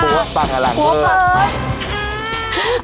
โพสปังอารังเวิร์ด